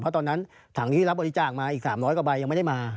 เพราะตอนนั้นถังที่รับบริจาคมาอีก๓๐๐กว่าใบยังไม่ได้มา